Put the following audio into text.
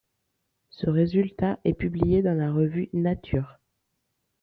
Ce résultat est publié dans la revue Nature.